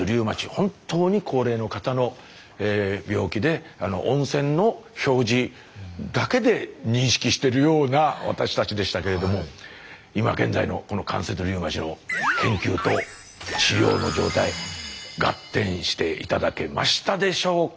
本当に高齢の方の病気で温泉の表示だけで認識してるような私たちでしたけれども今現在のこの関節リウマチの研究と治療の状態ガッテンして頂けましたでしょうか？